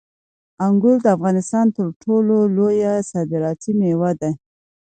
انګور د افغانستان تر ټولو لویه صادراتي میوه ده.